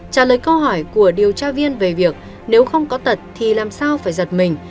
trả lời câu hỏi của điều tra viên về việc nếu không có tật thì làm sao phải giật mình